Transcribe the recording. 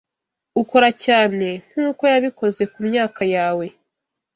Ukora cyane nkuko yabikoze kumyaka yawe.